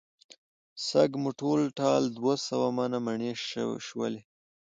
سږ مو ټول ټال دوه سوه منه مڼې شولې.